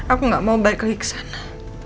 aku gak mau balik ke liksa ma